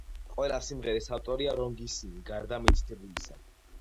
ყველა სიმღერის ავტორია რონ გისინი, გარდა მითითებულისა.